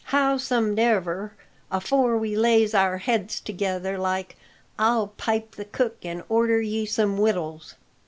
Howsomedever, afore we lays our heads together like, I'll pipe the cook and order ye some wittles."